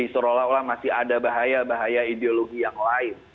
karena seolah olah masih ada bahaya bahaya ideologi yang lain